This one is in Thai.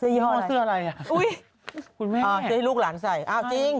เสื้อยอดอะไรคุณแม่อ๋อเสื้อที่ลูกหลังใส่อ้าวจริง